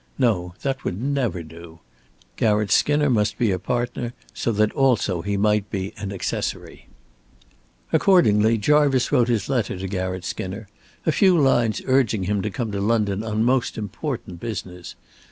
No, that would never do. Garratt Skinner must be a partner so that also he might be an accessory. Accordingly, Jarvice wrote his letter to Garratt Skinner, a few lines urging him to come to London on most important business.